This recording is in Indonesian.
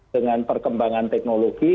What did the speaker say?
dengan perkembangan teknologi